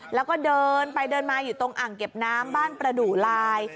แล้วก็เดินไปเดินมาอยู่ตรงอ่างเก็บน้ำบ้านประดูลาย